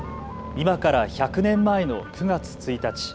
今から１００年前の９月１日。